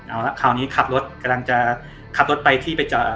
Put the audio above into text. เอาละคราวนี้ขับรถกำลังจะขับรถไปที่ไปจอด